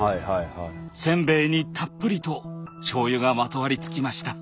せんべいにたっぷりと醤油がまとわりつきました。